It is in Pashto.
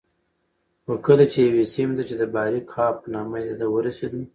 خو کله چې یوې سیمې ته چې د باریکآب په نامه یادېده ورسېدو